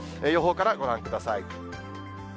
予報からご覧ください。